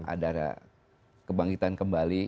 ada kebangkitan kembali